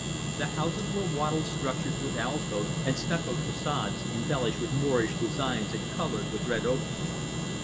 The houses were wattled structures with alcoves and stuccoed façades, embellished with Moorish designs and coloured with red ochre.